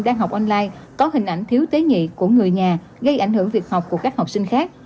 đang học online có hình ảnh thiếu tế nhị của người nhà gây ảnh hưởng việc học của các học sinh khác